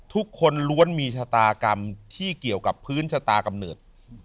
ทุกคนล้วนมีชะตากรรมที่เกี่ยวกับพื้นชะตากำเนิด